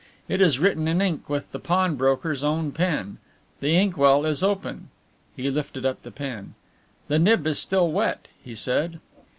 It is written in ink with the pawnbroker's own pen. The inkwell is open," he lifted up the pen, "the nib is still wet," he said.